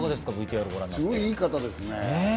すごい、いい方ですね。